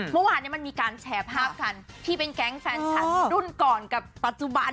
เมื่อวานมันมีการแชร์ภาพกันที่เป็นแก๊งแฟนคลับรุ่นก่อนกับปัจจุบัน